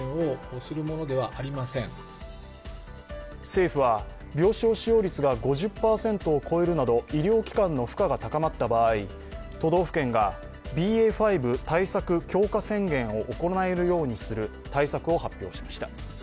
政府は病床使用率が５０％を超えるなど医療機関の負荷が高まった場合都道府県がＢＡ．５対策強化宣言を行えるようにする対策を発表しました。